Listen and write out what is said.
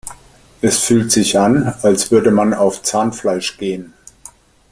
Es fühlt sich an, als würde man auf Zahnfleisch gehen.